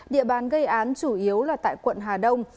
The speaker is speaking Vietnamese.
địa bàn gây án chủ yếu là tại quận hà đông